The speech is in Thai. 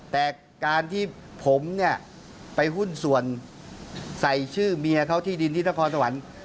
แต่การที่ผมเนี่ยไปหุ้นส่วนใส่ชื่อเมียเขาที่ดินที่นครสวรรค์